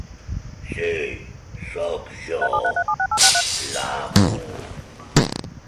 Sí, soc jo, l'amo.